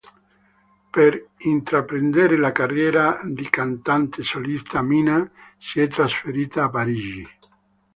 Per intraprendere la carriera di cantante solista Mina si è trasferita a Parigi.